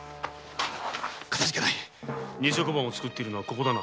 ニセ小判を造っているのはここだな。